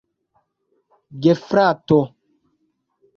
gefrato